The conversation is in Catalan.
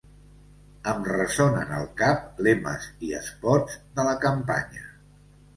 Em ressonen al cap lemes i espots de la campanya.